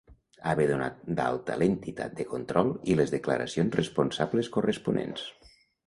Haver donat d'alta l'entitat de control i les declaracions responsables corresponents.